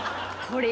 これ。